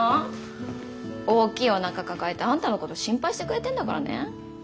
大きいおなか抱えてあんたのこと心配してくれてんだからね。